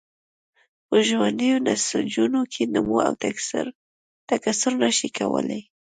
په ژوندیو نسجونو کې نمو او تکثر نشي کولای.